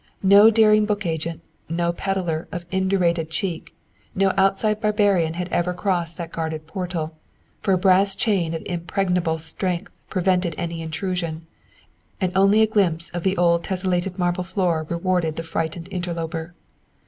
No daring book agent, no pedlar of indurated cheek, no outside barbarian had ever crossed that guarded portal, for a brass chain of impregnable strength prevented any intrusion, and only a glimpse of the old tesselated marble floor rewarded the frightened interloper.